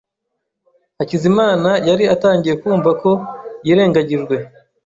Hakizimana yari atangiye kumva ko yirengagijwe.